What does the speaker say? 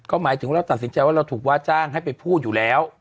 ก็หมายถึงเราตัดสินใจว่าเราถูกว่าจ้างให้ไปพูดอยู่แล้ว